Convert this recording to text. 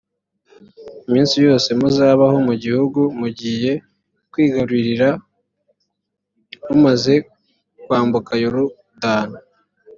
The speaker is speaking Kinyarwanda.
iminsi yose muzabaho mu gihugu mugiye kwigarurira mumaze kwambuka yorudani.